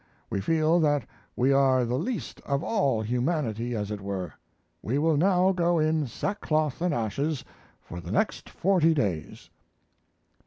We feel that we are the least of all humanity, as it were. We will now go in sack cloth and ashes for the next forty days.